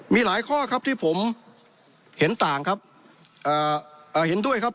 มีหลายข้อครับที่ผมเห็นต่างครับเห็นด้วยครับ